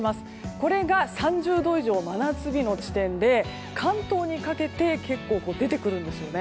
これが３０度以上の真夏日の地点で関東にかけて結構出てくるんですよね。